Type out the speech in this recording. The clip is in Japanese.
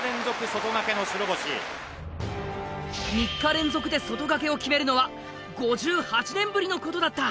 ３日連続で外掛けを決めるのは５８年ぶりのことだった。